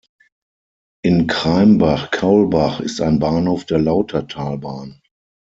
In Kreimbach-Kaulbach ist ein Bahnhof der Lautertalbahn.